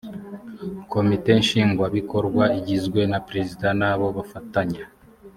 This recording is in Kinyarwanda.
komite nshingwabikorwa igizwe na perezida n’abo bafatanya